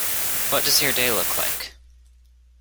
What does your day look like?